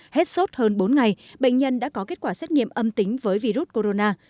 hết sốt hơn bốn ngày bệnh nhân đã có kết quả xét nghiệm âm tính với virus corona